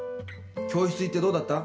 教室行ってどうだった？